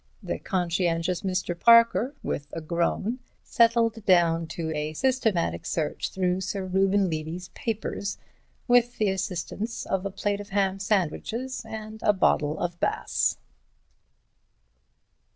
The conscientious Mr. Parker, with a groan, settled down to a systematic search through Sir Reuben Levy's papers, with the assistance of a plate of ham sandwiches and a bottle of Bass.